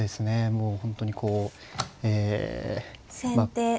もう本当にこうえまあ